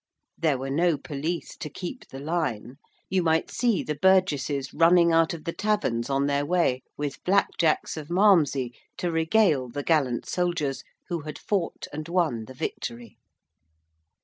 There were no police to keep the line: you might see the burgesses running out of the taverns on their way with blackjacks of Malmsey to regale the gallant soldiers who had fought and won the victory.